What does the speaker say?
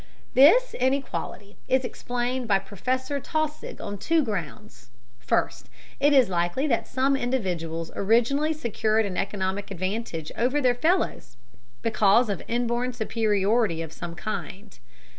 This inequality is explained by Professor Taussig on two grounds: First, it is likely that some individuals originally secured an economic advantage over their fellows because of inborn superiority of some kind.